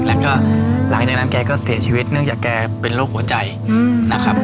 แล้วก็หลังจากนั้นแกก็เสียชีวิตเนื่องจากแกเป็นโรคหัวใจนะครับ